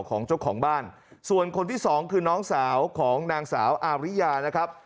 ของเจ้าของบ้านส่วนคนที่สองคือน้องสาวของนางสาวอาริยานะครับ